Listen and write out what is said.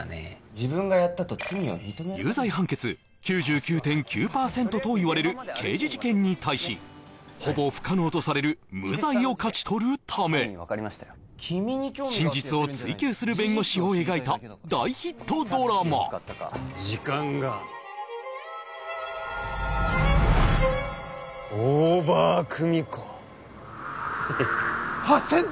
自分がやったと罪を認め有罪判決９９．９％といわれる刑事事件に対しほぼ不可能とされる無罪を勝ち取るため真実を追求する弁護士を描いた大ヒットドラマ８０００